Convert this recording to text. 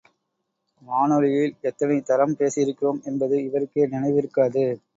வானொலியில் எத்தனை தரம் பேசியிருக்கிறோம் என்பது இவருக்கே நினைவிருக்காது.